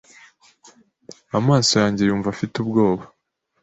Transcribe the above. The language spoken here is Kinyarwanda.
Amaso yanjye yumva afite ubwoba .